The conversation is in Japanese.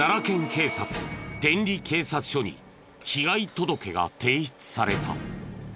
警察天理警察署に被害届が提出された。